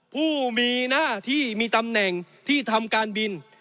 ผู้มีหน้าที่มีตำแหน่งที่ทำการบิน